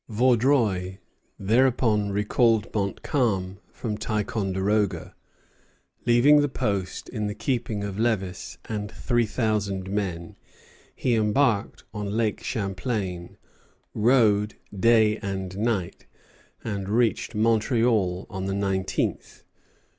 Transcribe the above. Vaudreuil thereupon recalled Montcalm from Ticonderoga. Leaving the post in the keeping of Lévis and three thousand men, he embarked on Lake Champlain, rowed day and night, and reached Montreal on the nineteenth.